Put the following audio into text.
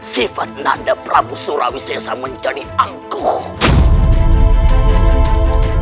sifat nanda prabu surawi caesar menjadi angkuh